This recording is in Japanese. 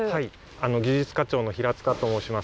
技術課長の平と申します。